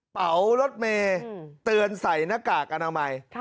เป๋ารถเมตื่นใส่นักกากอนามัย